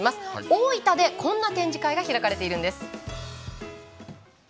大分でこんな展示会が開かれているんです。